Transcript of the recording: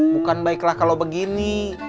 bukan baiklah kalau begini